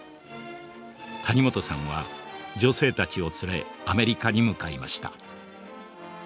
谷本さんは女性たちを連れアメリカに向かいました。